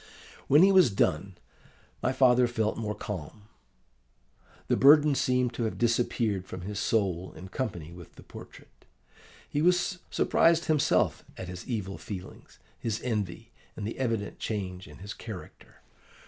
"When he was gone, my father felt more calm. The burden seemed to have disappeared from his soul in company with the portrait. He was surprised himself at his evil feelings, his envy, and the evident change in his character.